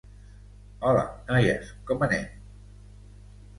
Hola, noies, com anem?